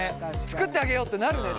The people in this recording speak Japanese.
作ってあげようってなるね